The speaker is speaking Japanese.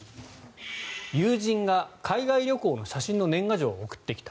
友人が海外旅行の写真の年賀状を送ってきた。